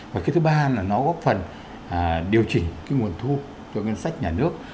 và thứ ba là nó góp phần điều chỉnh nguồn thu cho ngân sách nhà nước